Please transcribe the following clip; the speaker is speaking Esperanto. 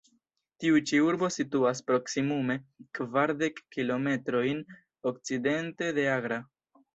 Tiu ĉi urbo situas proksimume kvardek kilometrojn okcidente de Agra.